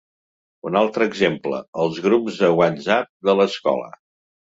Un altre exemple: els grups de whatsapp de l’escola.